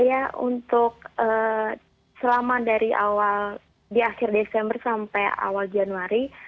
ya untuk selama dari awal di akhir desember sampai awal januari